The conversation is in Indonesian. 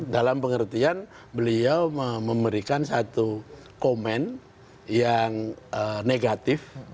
dalam pengertian beliau memberikan satu komen yang negatif